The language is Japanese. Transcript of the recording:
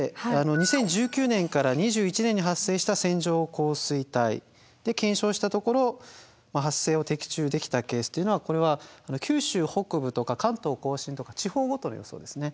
で２０１９年から２１年に発生した線状降水帯で検証したところ発生を的中できたケースというのはこれは九州北部とか関東甲信とか地方ごとの予想ですね。